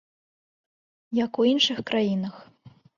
Як у іншых краінах.